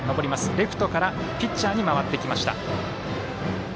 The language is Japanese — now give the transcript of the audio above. レフトからピッチャーに回ってきました。